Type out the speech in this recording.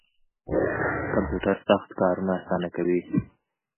کمپیوټر سخت کارونه اسانه کوي